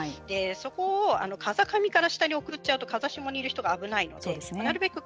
そこを風上から下に送っちゃうと風下にいる人が危ないのでなるべく